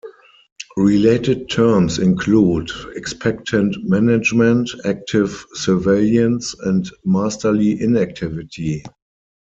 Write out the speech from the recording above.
Related terms include "expectant management", "active surveillance" and "masterly inactivity".